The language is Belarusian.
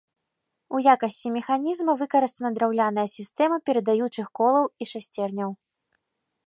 У якасці механізма выкарыстана драўляная сістэма перадаючых колаў і шасцерняў.